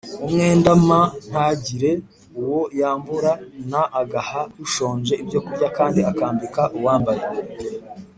Umwenda m ntagire uwo yambura n agaha ushonje ibyokurya kandi akambika uwambaye